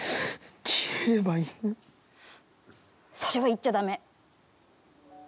それは言っちゃだめ。